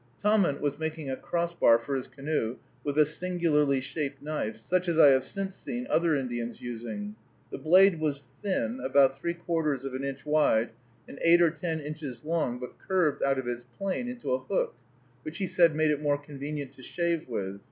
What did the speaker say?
Tahmunt was making a cross bar for his canoe with a singularly shaped knife, such as I have since seen other Indians using. The blade was thin, about three quarters of an inch wide, and eight or nine inches long, but curved out of its plane into a hook, which he said made it more convenient to shave with.